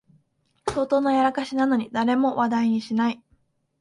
相当なやらかしなのに誰も話題にしない